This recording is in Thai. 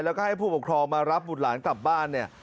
แล้วก็ให้ผู้ปกครองมารับบุตรหลานกลับบ้านเนี่ย